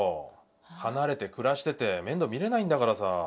離れて暮らしてて面倒見れないんだからさ。